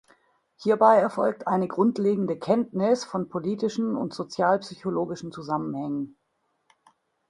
Hierbei erfolgt eine grundlegende Kenntnis von politischen und sozialpsychologischen Zusammenhängen.